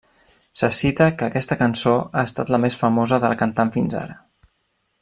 Se cita que aquesta cançó ha estat la més famosa de la cantant fins ara.